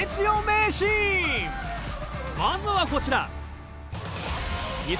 まずはこちら。